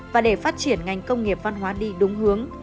và để phát triển ngành công nghiệp văn hóa đi đúng hướng